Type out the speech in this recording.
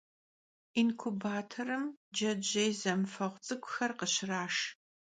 Yinkubatorım cecêy zemıfeğu ts'ık'uxer khışraşş.